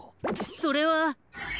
それは。